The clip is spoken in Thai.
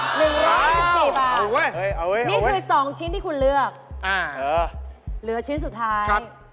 อเจมส์บาทนี่คือ๒ชิ้นที่คุณเลือกหรือชิ้นสุดท้าย